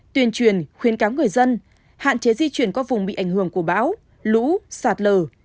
tuyên truyền khuyến cáo người dân hạn chế di chuyển các vùng bị ảnh hưởng của báo lũ sạt lờ